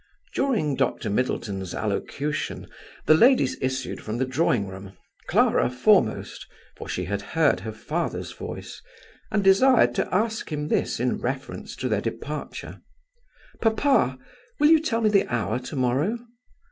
During Dr. Middleton's allocution the ladies issued from the drawing room, Clara foremost, for she had heard her father's voice, and desired to ask him this in reference to their departure: "Papa, will you tell me the hour to morrow?"